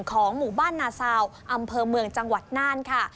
ของหมู่บ้านนาซาวอำเภอเมืองจังหวัดน่านค่ะ